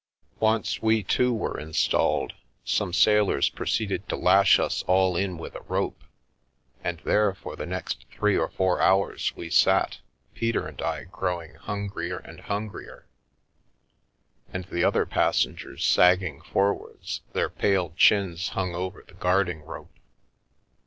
Once we too were installed, some sailors pro ceeded to lash us all in with a rope, and there, for the next three or four hours, we sat, Peter and I growing hungrier and hungrier, and the other passengers sagging Abroad forwards, their pale chins hung over the guarding rope.